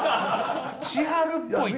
千春っぽいとか。